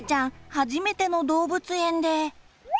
初めての動物園で。